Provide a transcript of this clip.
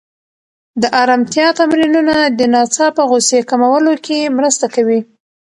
د ارامتیا تمرینونه د ناڅاپه غوسې کمولو کې مرسته کوي.